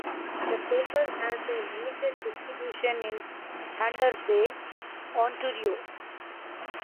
The paper has a limited distribution in Thunder Bay, Ontario.